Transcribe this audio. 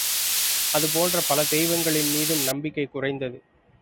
அது போன்ற பல தெய்வங்களின் மீதும் நம்பிக்கைக் குறைந்தது.